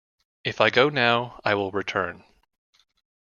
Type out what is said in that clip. If I go now, I will return.